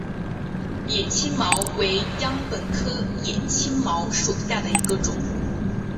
野青茅为禾本科野青茅属下的一个种。